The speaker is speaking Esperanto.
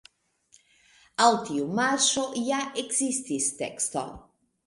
Al tiu marŝo ja ekzistis teksto.